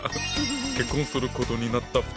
結婚することになった２人。